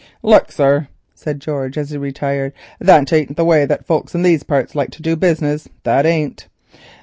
"Lord, sir," said George as he retired, "that ain't the way that folks in these parts like to do business, that ain't.